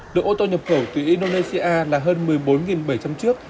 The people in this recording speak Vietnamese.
đội ô tô nhập khẩu từ indonesia là hơn một mươi bốn bảy trăm linh chiếc